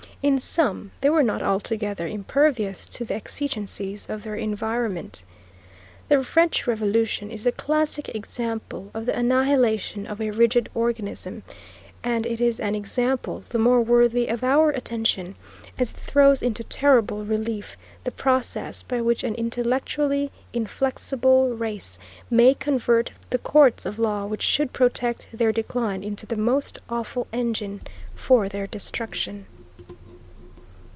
In sum, they were not altogether impervious to the exigencies of their environment. The French Revolution is the classic example of the annihilation of a rigid organism, and it is an example the more worthy of our attention as it throws into terrible relief the process by which an intellectually inflexible race may convert the courts of law which should protect their decline into the most awful engine for their destruction.